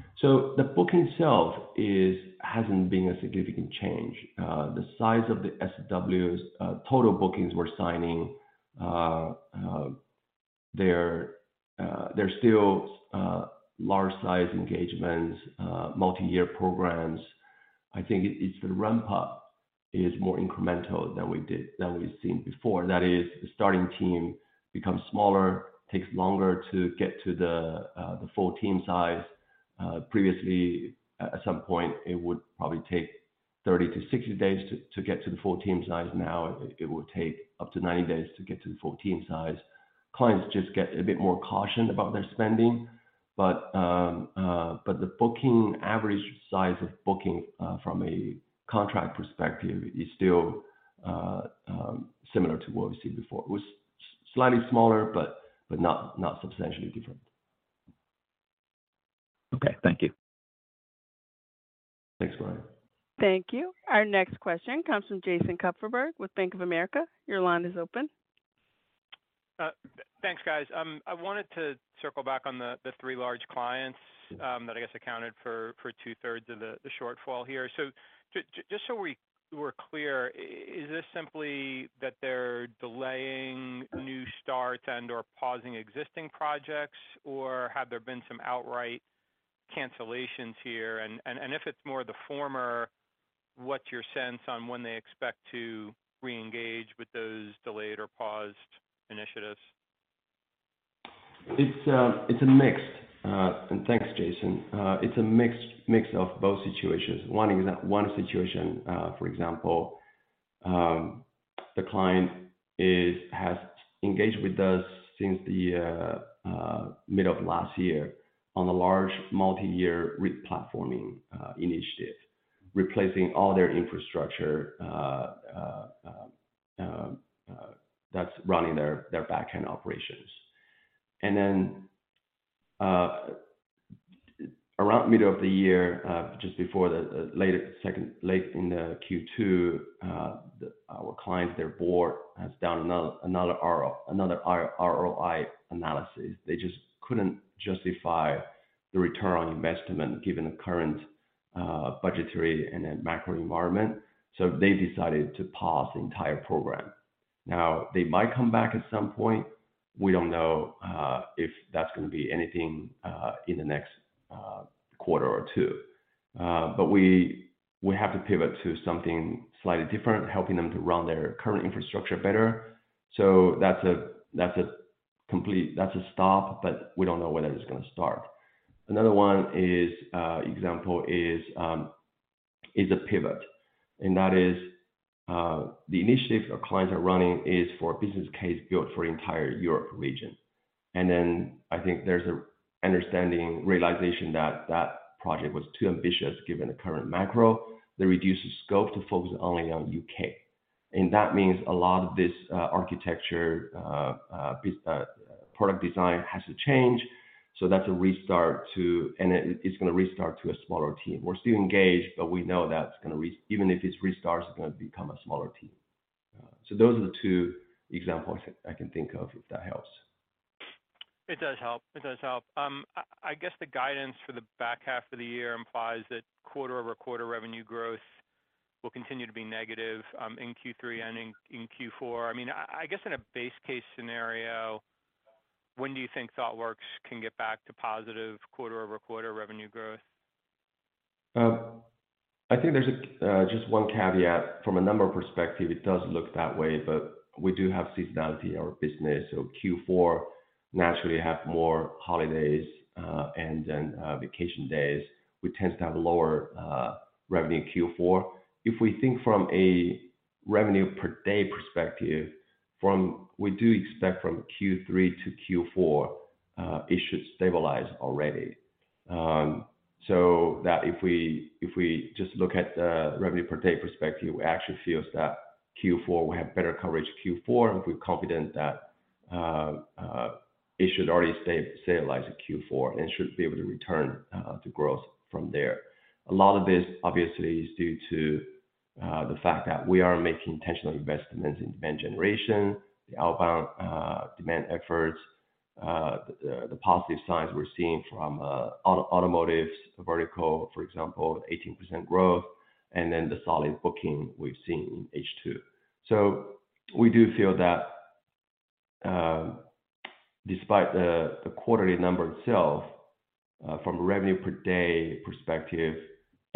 Being signed. The booking itself is, hasn't been a significant change. The size of the SOW's, total bookings we're signing, they're still large size engagements, multi-year programs. I think it's the ramp up is more incremental than we've seen before. That is, the starting team becomes smaller, takes longer to get to the full team size. Previously, at some point, it would probably take 30 to 60 days to get to the full team size. Now it will take up to 90 days to get to the full team size. Clients just get a bit more cautioned about their spending, but the booking, average size of booking, from a contract perspective is still similar to what we've seen before. It was slightly smaller, but, but not, not substantially different. Okay, thank you. Thanks, Brian. Thank you. Our next question comes from Jason Kupferberg with Bank of America. Your line is open. Thanks, guys. I wanted to circle back on the three large clients that I guess accounted for 2/3 of the shortfall here. Just so we're clear, is this simply that they're delaying new starts and/or pausing existing projects, or have there been some outright cancellations here? If it's more of the former, what's your sense on when they expect to reengage with those delayed or paused initiatives? It's, it's a mix. Thanks, Jason. It's a mix, mix of both situations. One situation, for example, the client is, has engaged with us since the mid of last year on a large multiyear replatforming initiative, replacing all their infrastructure that's running their, their backend operations. Around middle of the year, just before the late second, late in the Q2, the, our client, their board has done another ROI analysis. They just couldn't justify the return on investment given the current budgetary and then macro environment, so they decided to pause the entire program. Now, they might come back at some point. We don't know if that's gonna be anything in the next quarter or 2. We, we have to pivot to something slightly different, helping them to run their current infrastructure better. That's a, that's a complete, that's a stop, but we don't know whether it's gonna start. Another one is, example is, is a pivot, that is, the initiative our clients are running is for a business case built for the entire Europe region. I think there's an understanding, realization that that project was too ambitious, given the current macro. They reduced the scope to focus only on U.K. That means a lot of this, architecture, bus, product design has to change, so that's a restart to... It, it's gonna restart to a smaller team. We're still engaged, but we know that's gonna re- even if it's restarts, it's gonna become a smaller team. Those are the two examples I can think of, if that helps. It does help. It does help. I guess the guidance for the back half of the year implies that quarter-over-quarter revenue growth will continue to be negative in Q3 and in Q4. I mean, I guess in a base case scenario, when do you think Thoughtworks can get back to positive quarter-over-quarter revenue growth? I think there's a, just one caveat. From a number perspective, it does look that way, but we do have seasonality in our business, so Q4 naturally have more holidays, and then, vacation days. We tend to have lower, revenue in Q4. If we think from a revenue per day perspective, we do expect from Q3 to Q4, it should stabilize already. So that if we, if we just look at the revenue per day perspective, we actually feels that Q4 will have better coverage. Q4, we're confident that, it should already stabilize in Q4, and it should be able to return, to growth from there. A lot of this obviously is due to the fact that we are making intentional investments in demand generation, the outbound demand efforts, the positive signs we're seeing from automotives vertical, for example, 18% growth, and then the solid booking we've seen in H2. We do feel that despite the quarterly number itself, from a revenue per day perspective,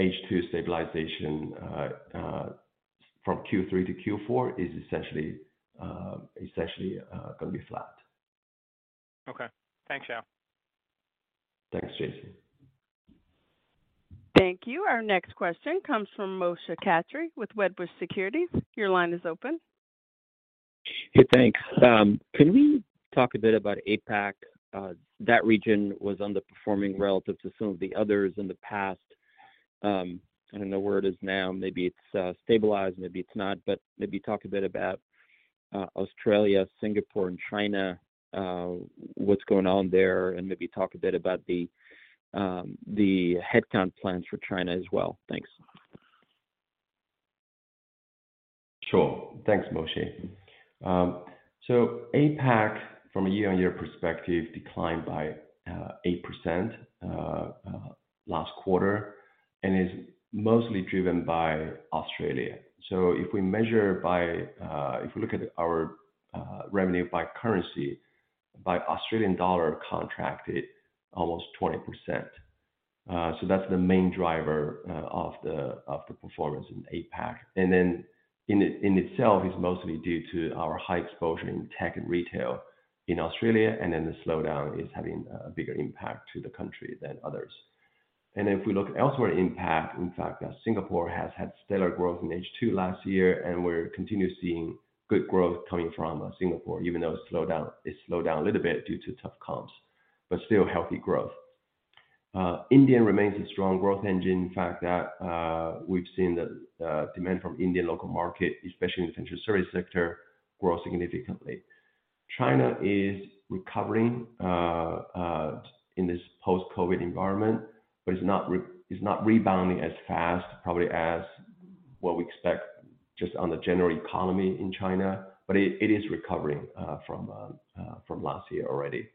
H2 stabilization from Q3 to Q4 is essentially gonna be flat. Okay. Thanks, Xiao. Thanks, Jason. Thank you. Our next question comes from Moshe Katri with Wedbush Securities. Your line is open. Hey, thanks. Can we talk a bit about APAC? That region was underperforming relative to some of the others in the past. I don't know where it is now. Maybe it's stabilized, maybe it's not, but maybe talk a bit about Australia, Singapore, and China, what's going on there, and maybe talk a bit about the headcount plans for China as well. Thanks. Sure. Thanks, Moshe. APAC, from a year-over-year perspective, declined by 8% last quarter and is mostly driven by Australia. If we measure by, if we look at our revenue by currency, by AUD, contracted almost 20%. That's the main driver of the performance in APAC. In itself, it's mostly due to our high exposure in tech and retail in Australia, and then the slowdown is having a bigger impact to the country than others. If we look at elsewhere impact, in fact, Singapore has had stellar growth in H2 last year, and we're continuing seeing good growth coming from Singapore, even though it slowed down a little bit due to tough comps, but still healthy growth. India remains a strong growth engine. In fact, that, we've seen the, demand from Indian local market, especially in the financial service sector, grow significantly. China is recovering, in this post-COVID environment, but it's not rebounding as fast, probably as what we expect, just on the general economy in China. It is recovering, from, from last year already.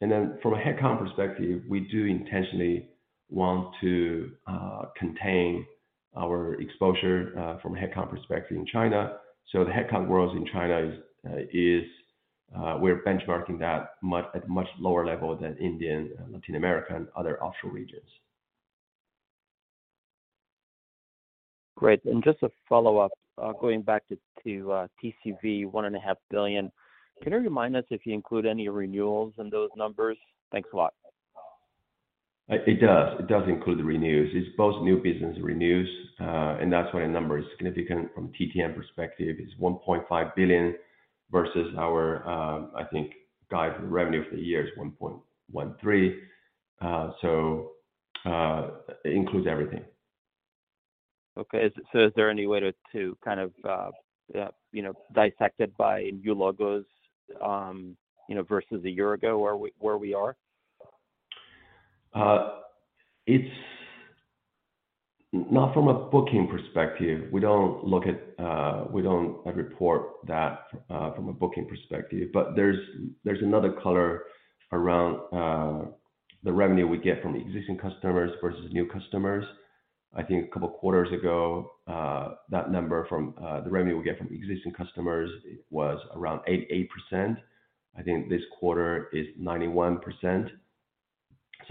From a headcount perspective, we do intentionally want to, contain our exposure, from a headcount perspective in China. The headcount growth in China is, is, we're benchmarking that much, at much lower level than India and Latin America and other offshore regions. Great. Just a follow-up, going back to TCV, $1.5 billion. Can you remind us if you include any renewals in those numbers? Thanks a lot. It does. It does include the renews. It's both new business and renews, and that's why the number is significant. From TTM perspective, it's $1.5 billion versus our, I think, guide revenue for the year is $1.13 billion. It includes everything. Okay. Is there any way to, to kind of, you know, dissect it by new logos, you know, versus a year ago, where we, where we are? It's not from a booking perspective. We don't look at, we don't, like, report that from a booking perspective, but there's, there's another color around the revenue we get from existing customers versus new customers. I think a couple of quarters ago, that number from the revenue we get from existing customers was around 88%. I think this quarter is 91%.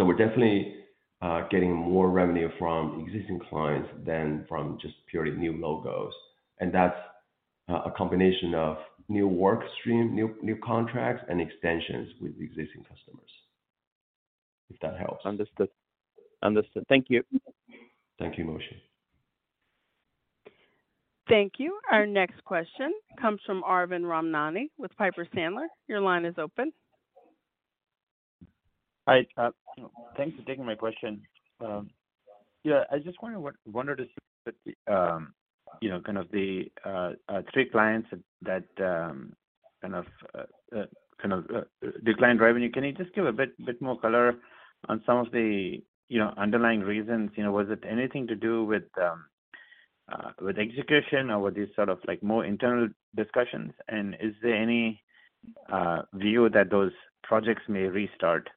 We're definitely getting more revenue from existing clients than from just purely new logos. That's a combination of new work stream, new, new contracts, and extensions with existing customers, if that helps. Understood. Understood. Thank you. Thank you, Moshe. Thank you. Our next question comes from Arvind Ramnani with Piper Sandler. Your line is open. Hi. thanks for taking my question. Yeah, I just wonder what- wondered to see, you know, kind of the, three clients that, kind of, kind of, declined revenue. Can you just give a bit, bit more color on some of the, you know, underlying reasons? You know, was it anything to do with, with execution or with these sort of, like, more internal discussions? Is there any, view that those projects may restart?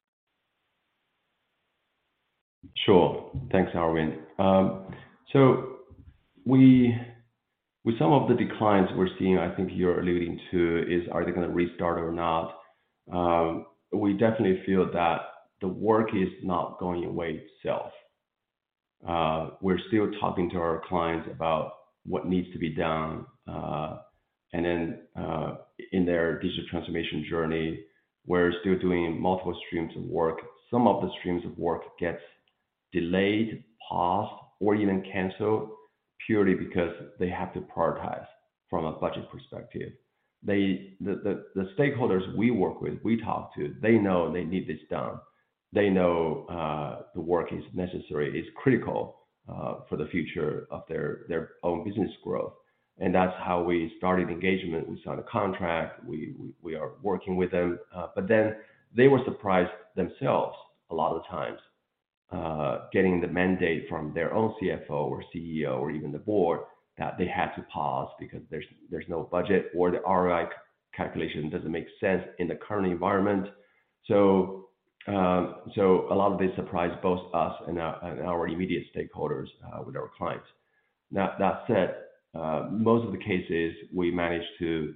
Sure. Thanks, Arvind. With some of the declines we're seeing, I think you're alluding to is, are they gonna restart or not? We definitely feel that the work is not going away itself. We're still talking to our clients about what needs to be done, and then in their digital transformation journey, we're still doing multiple streams of work. Some of the streams of work gets delayed, paused, or even canceled, purely because they have to prioritize from a budget perspective. The stakeholders we work with, we talk to, they know they need this done, they know the work is necessary, it's critical for the future of their, their own business growth. That's how we started engagement and signed a contract. We are working with them, then they were surprised themselves a lot of the times, getting the mandate from their own CFO or CEO or even the board, that they had to pause because there's, there's no budget or the ROI calculation doesn't make sense in the current environment. A lot of this surprised both us and our immediate stakeholders, with our clients. Now, that said, most of the cases we managed to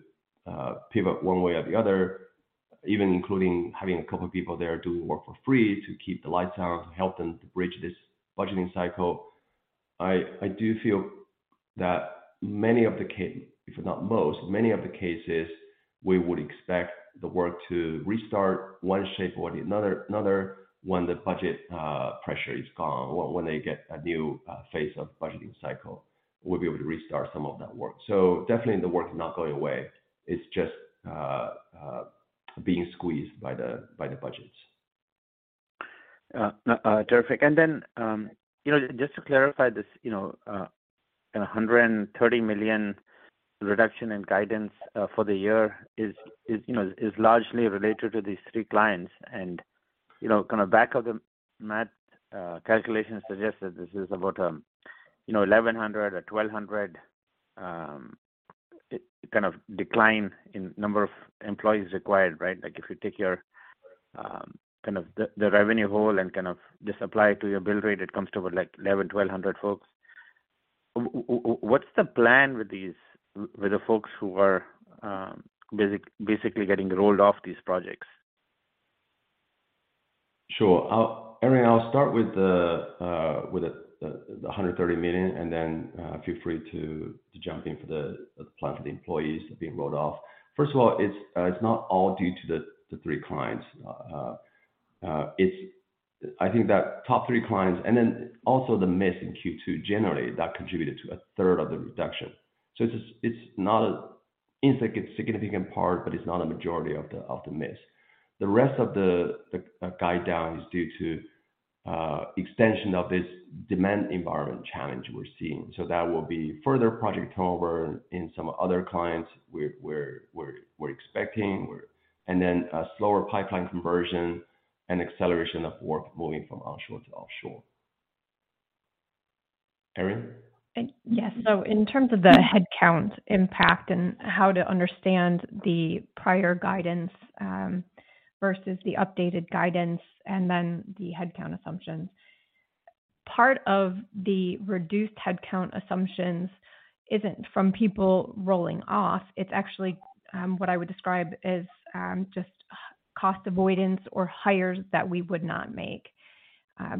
pivot one way or the other, even including having a couple of people there doing work for free to keep the lights on, to help them to bridge this budgeting cycle. I do feel that many of the if not most, many of the cases, we would expect the work to restart one shape or another, when the budget pressure is gone or when they get a new phase of budgeting cycle, we'll be able to restart some of that work. Definitely the work is not going away. It's just being squeezed by the budgets. Terrific. Then, you know, just to clarify this, you know, $130 million reduction in guidance for the year is, is, you know, largely related to these three clients. You know, kind of back of the math calculation suggests that this is about, you know, 1,100 or 1,200, kind of decline in number of employees required, right? Like, if you take your, kind of the, the revenue hole and kind of just apply it to your bill rate, it comes to about, like 1,100-1,200 folks. What's the plan with these, with the folks who are basically getting rolled off these projects? Sure. Arvind, I'll start with the with the $130 million, and then feel free to jump in for the plan for the employees being rolled off. First of all, it's, it's not all due to the 3 clients. I think that top three clients, and then also the miss in Q2 generally, that contributed to a third of the reduction. It's, it's not a significant, significant part, but it's not a majority of the of the miss. The rest of the guide down is due to extension of this demand environment challenge we're seeing. That will be further project turnover in some other clients we're expecting. Then a slower pipeline conversion and acceleration of work moving from onshore to offshore. Erin? Yes. In terms of the headcount impact and how to understand the prior guidance, versus the updated guidance and then the headcount assumptions, part of the reduced headcount assumptions isn't from people rolling off, it's actually, what I would describe as, just cost avoidance or hires that we would not make.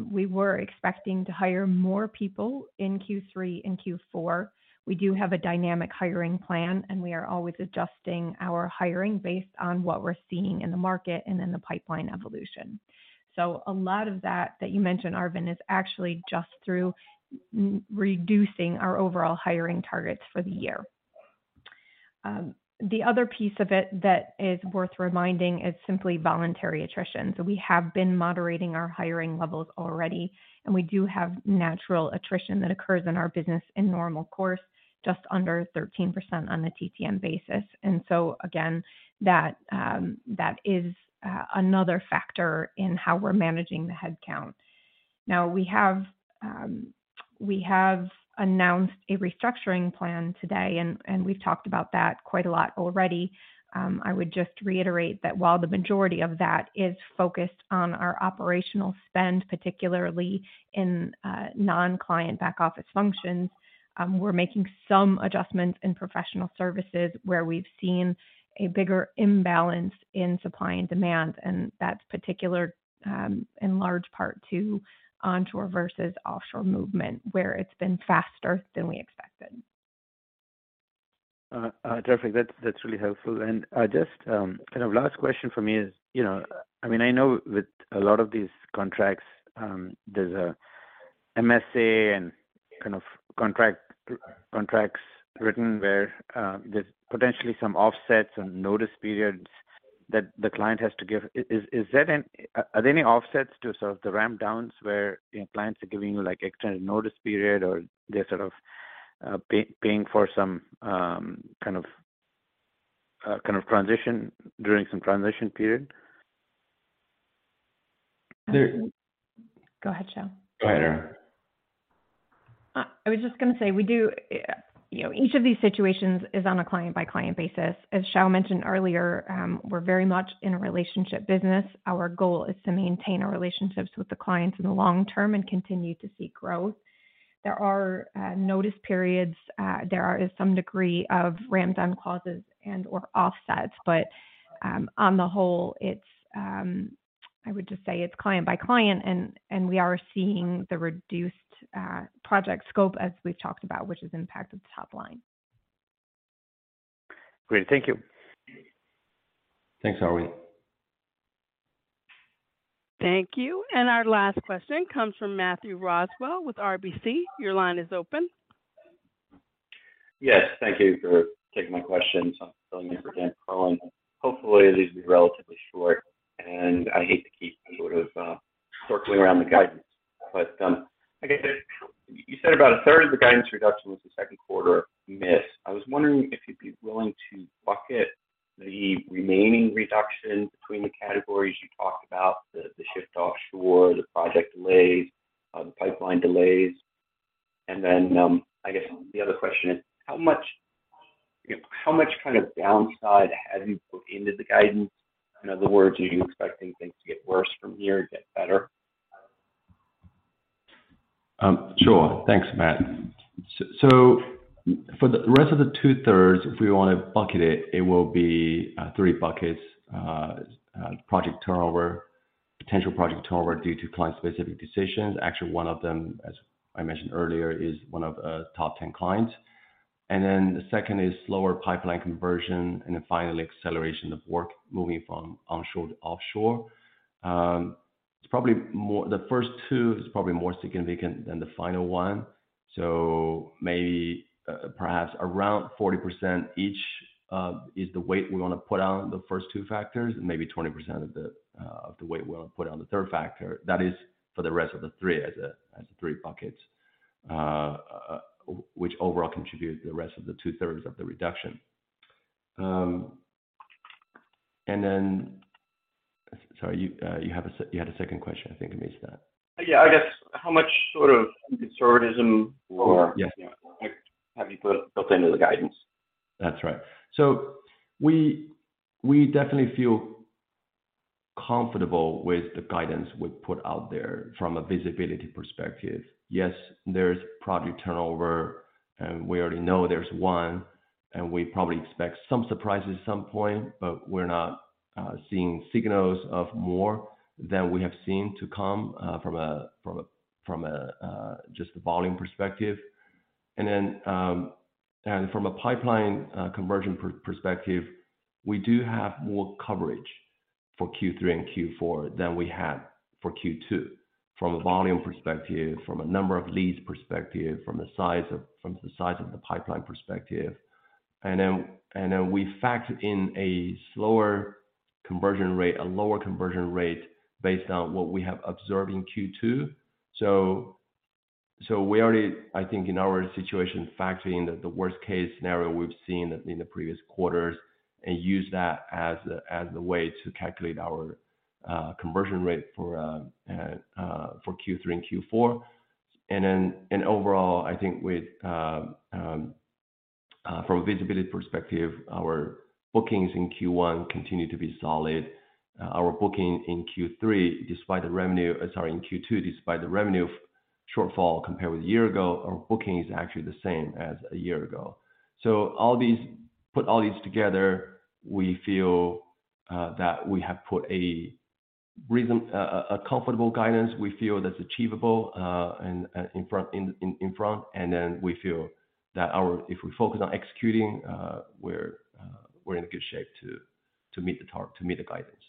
We were expecting to hire more people in Q3 and Q4. We do have a dynamic hiring plan, and we are always adjusting our hiring based on what we're seeing in the market and in the pipeline evolution. A lot of that, that you mentioned, Arvind, is actually just through reducing our overall hiring targets for the year. The other piece of it that is worth reminding is simply voluntary attrition. We have been moderating our hiring levels already, and we do have natural attrition that occurs in our business in normal course, just under 13% on a TTM basis. Again, that is another factor in how we're managing the headcount. We have, we have announced a restructuring plan today, and we've talked about that quite a lot already. I would just reiterate that while the majority of that is focused on our operational spend, particularly in non-client back office functions, we're making some adjustments in professional services where we've seen a bigger imbalance in supply and demand, and that's particular in large part to onshore versus offshore movement, where it's been faster than we expected. Terrific. That's, that's really helpful. Just, kind of last question for me is, you know, I mean, I know with a lot of these contracts, there's a MSA and kind of contract, contracts written where, there's potentially some offsets and notice periods that the client has to give. Are there any offsets to sort of the ramp downs, where, you know, clients are giving you, like, extended notice period or they're sort of, pay-paying for some, kind of, kind of transition during some transition period? There- Go ahead, Xiao. Go ahead, Erin. I was just gonna say, we do, you know, each of these situations is on a client-by-client basis. As Xiao mentioned earlier, we're very much in a relationship business. Our goal is to maintain our relationships with the clients in the long term and continue to see growth. There are notice periods, there are some degree of ramp-down clauses and/or offsets, but on the whole, it's, I would just say it's client by client, and we are seeing the reduced project scope as we've talked about, which has impacted the top line. Great. Thank you. Thanks, Arvind. Thank you. Our last question comes from Matthew Roswell with RBC. Your line is open. Yes, thank you for taking my questions. I'm filling in for Dan Perlin. Hopefully, these will be relatively short, and I hate to keep sort of, circling around the guidance, but, I guess, you said about a third of the guidance reduction was the second quarter miss. I was wondering if you'd be willing to bucket the remaining reduction between the categories you talked about, the, the shift offshore, the project delays, the pipeline delays? Then, I guess the other question is, how much, how much kind of downside have you put into the guidance? In other words, are you expecting things to get worse from here or get better? Sure. Thanks, Matt. So for the rest of the two-thirds, if we want to bucket it, it will be 3 buckets. Project turnover, potential project turnover due to client-specific decisions. Actually, one of them, as I mentioned earlier, is one of top 10 clients. The second is slower pipeline conversion, and then finally, acceleration of work moving from onshore to offshore. The first two is probably more significant than the final one. Maybe perhaps around 40% each is the weight we want to put on the first two factors, and maybe 20% of the weight we want to put on the third factor. That is for the rest of the three, as a, as 3 buckets, which overall contribute to the rest of the 2/3 of the reduction. Sorry, you had a second question. I think I missed that. Yeah. I guess, how much sort of conservatism or- Yeah. --have you put into the guidance? We, we definitely feel comfortable with the guidance we've put out there from a visibility perspective. Yes, there's project turnover, and we already know there's one, and we probably expect some surprises at some point, but we're not seeing signals of more than we have seen to come from a volume perspective. From a pipeline conversion perspective, we do have more coverage for Q3 and Q4 than we had for Q2, from a volume perspective, from a number of leads perspective, from the size of, from the size of the pipeline perspective. Then we factor in a slower conversion rate, a lower conversion rate based on what we have observed in Q2. I think, in our situation, factor in the worst-case scenario we've seen in the previous quarters and use that as the way to calculate our conversion rate for Q3 and Q4. And overall, I think from a visibility perspective, our bookings in Q1 continue to be solid. Our booking in Q3, despite the revenue-- sorry, in Q2, despite the revenue shortfall compared with a year ago, our booking is actually the same as a year ago. So all these-- put all these together, we feel that we have put a reason-- a comfortable guidance we feel that's achievable, and in front, in, in, in front. And then we feel that ourIf we focus on executing, we're in a good shape to meet the guidance.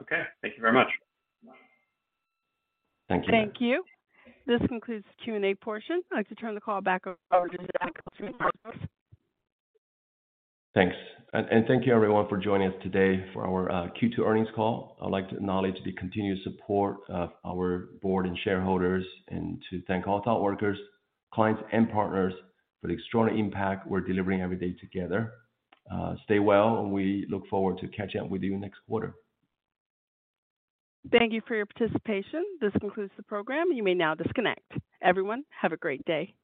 Okay. Thank you very much. Thank you. Thank you. This concludes the Q&A portion. I'd like to turn the call back over to Xiao to wrap up. Thanks. And thank you everyone for joining us today for our Q2 earnings call. I'd like to acknowledge the continued support of our board and shareholders, and to thank all Thoughtworkers, clients, and partners for the extraordinary impact we're delivering every day together. Stay well, and we look forward to catching up with you next quarter. Thank you for your participation. This concludes the program. You may now disconnect. Everyone, have a great day.